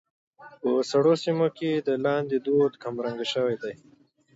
په سړو سيمو کې د لاندي دود کمرنګه شوى دى.